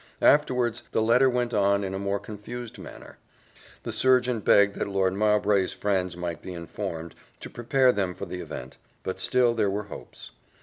Afterwards, the letter went on in a more confused manner. The surgeon begged that Lord Mowbray's friends might be informed, to prepare them for the event; but still there were hopes.